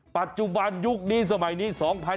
ปัจจุบันยุคนี้สมัยนี้๒๕๖๒